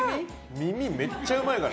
耳、めっちゃうまいから。